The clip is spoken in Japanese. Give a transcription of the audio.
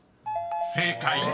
［正解］